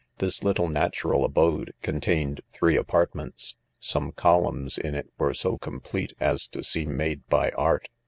This little natural abode, contained three apartments; some columns in it were so complete, as to seem made by art?